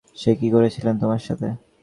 সে কী করেছিল তোমার সাথে?